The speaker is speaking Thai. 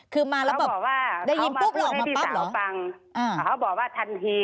เขาบอกว่าเขามาพูดให้พี่สาวฟังเขาบอกว่าทันที